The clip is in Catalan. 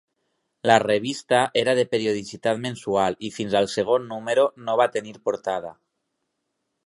La revista era de periodicitat mensual i fins al segon número no va tenir portada.